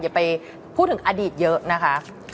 อย่าไปพูดถึงอดีตเยอะนะคะ